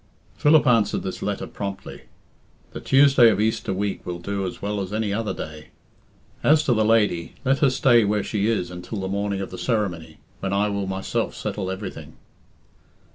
Philip answered this letter promptly. "The Tuesday of Easter week will do as well as any other day. As to the lady, let her stay where she is until the morning of the ceremony, when I will myself settle everything."